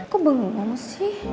kok bengong sih